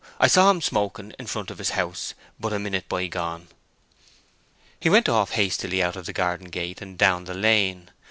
I saw him smoking in front of his house but a minute by gone." He went off hastily out of the garden gate and down the lane.